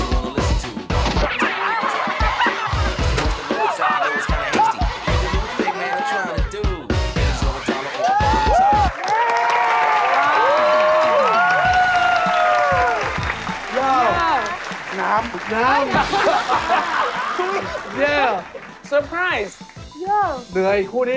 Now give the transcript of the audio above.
เหนื่อยคู่นี้เหนื่อยมาก